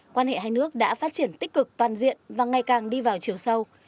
quan hệ hai nước đã phát triển tích cực toàn diện và ngày càng đi vào chiều sâu